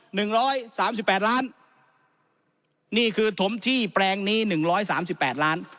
หนึ่งร้อยสามสิบแปดล้านนี่คือถมที่แปลงนี้หนึ่งร้อยสามสิบแปดล้าน